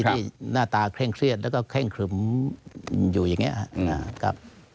ที่หน้าตาเคร่งเครียดแล้วก็เคร่งครึมอยู่อย่างนี้ครับ